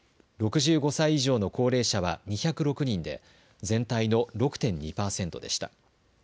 ６５歳以上の高齢者は２０６人で全体の６．２％でした。